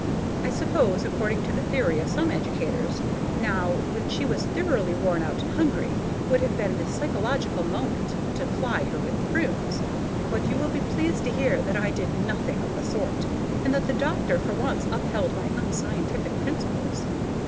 I suppose, according to the theory of some educators, now, when she was thoroughly worn out and hungry, would have been the psychological moment to ply her with prunes. But you will be pleased to hear that I did nothing of the sort, and that the doctor for once upheld my unscientific principles.